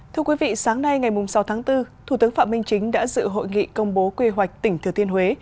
thưa quý vị sáng nay ngày sáu tháng bốn thủ tướng phạm minh chính đã dự hội nghị công bố quy hoạch tỉnh thừa thiên huế